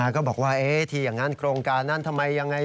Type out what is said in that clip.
ก็บอกว่าที่อย่างนั้นโครงการนั้นทำไมยังไง